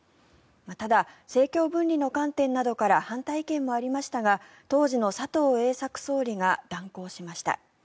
ただ、政教分離の観点などから反対意見もありましたが当時の佐藤栄作総理が断行しました。